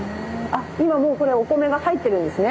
あっ今もうこれお米が入ってるんですね。